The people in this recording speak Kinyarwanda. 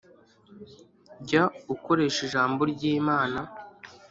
Jya ukoresha Ijambo ry’Imana